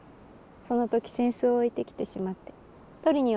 その時扇子を置いてきてしまって取りに寄ったんですわ。